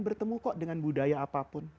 bertemu kok dengan budaya apapun